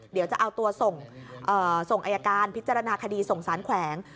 เดี๋ยวจะเอาตัวส่งอายการพิจารณาคดีส่งสารแขวง